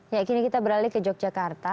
ya kini kita beralih ke yogyakarta